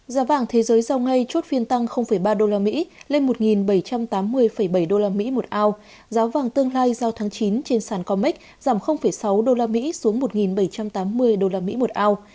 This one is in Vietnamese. giá vàng thế giới giao ngay chốt phiên tăng ba usd lên một bảy trăm tám mươi bảy usd một ao giá vàng tương lai giao tháng chín trên sàn comac giảm sáu usd xuống một bảy trăm tám mươi usd một ao